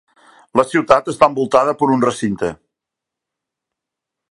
La ciutat està envoltada per un recinte.